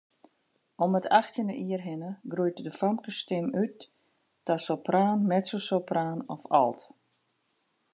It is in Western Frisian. Om it achttjinde jier hinne groeit de famkesstim út ta sopraan, mezzosopraan of alt.